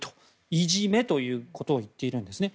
いじめということを言っているんですね。